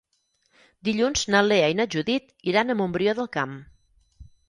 Dilluns na Lea i na Judit iran a Montbrió del Camp.